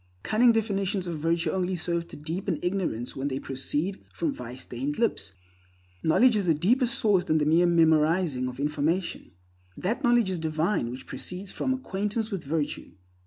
Cunning definitions of virtue only serve to deepen ignorance when they proceed from vice stained lips. Knowledge has a deeper source than the mere memorizing of information. That knowledge is divine which proceeds from acquaintance with virtue.